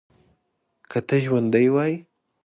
که ته ژوندی وای.